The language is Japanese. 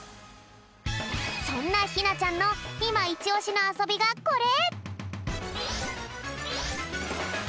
そんなひなちゃんのいまイチオシのあそびがこれ！